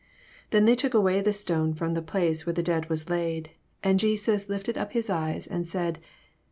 41 Then they took away the stone from the place wliere the dead was laid. And Jesus lifted up hia eyes, and said.